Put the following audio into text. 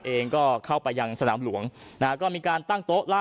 เองก็เข้าไปยังสนามหลวงนะฮะก็มีการตั้งโต๊ะล่า